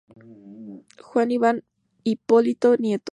Juan Iván Hipólito Nieto.